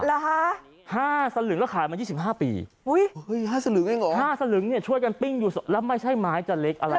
หรอฮะห้าสลึงก็ขายมายี่สิบห้าปีอุ้ยห้าสลึงเองเหรอห้าสลึงเนี่ยช่วยกันปิ้งอยู่แล้วไม่ใช่ไม้จะเล็กอะไร